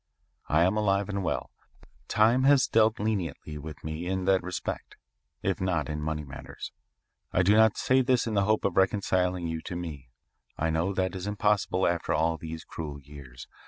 I am alive=20 and well. Time has dealt leniently with me in that respect, if=20 not in money matters. I do not say this in the hope of reconciling you to me. I know that is impossible after all these cruel years.